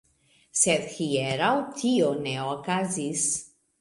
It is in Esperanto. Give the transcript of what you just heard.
Sed, hieraŭ, tio ne okazis.